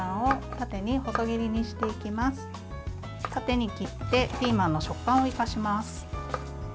縦に切ってピーマンの食感を生かします。